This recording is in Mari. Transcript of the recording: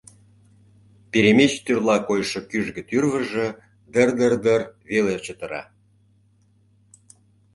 Перемеч тӱрла койшо кӱжгӧ тӱрвыжӧ дыр-дыр-дыр веле чытыра.